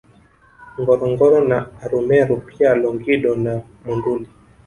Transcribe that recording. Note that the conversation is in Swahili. Ngorongoro na Arumeru pia Longido na Monduli